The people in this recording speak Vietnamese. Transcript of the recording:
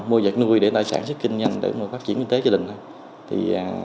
mua vật nuôi để sản xuất kinh nhanh để phát triển kinh tế gia đình thôi